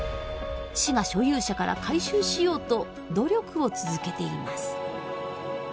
市が所有者から回収しようと努力を続けています。